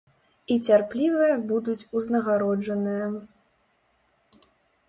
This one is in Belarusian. І цярплівыя будуць узнагароджаныя.